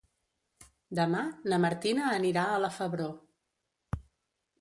Demà na Martina anirà a la Febró.